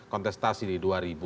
kontestasi di dua ribu delapan belas